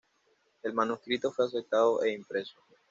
El manuscrito fue aceptado e impreso.